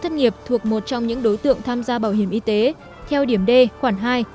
và đồng chí đã từng một trong nhiều đối chức tài chính doanh nghiệp